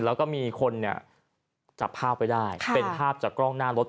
แล้วก็มีคนเนี่ยจับภาพไว้ได้เป็นภาพจากกล้องหน้ารถ